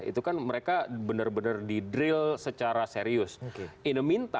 itu kan mereka benar benar tidak bisa berpikir pikir dengan cara yang mereka lakukan di luar negara gitu ya